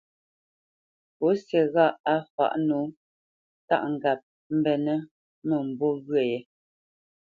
Pǔsi ghâʼ á fǎʼ nǒ tâʼ ŋgap mbenə́ mə̂mbû ghyə̂ yé.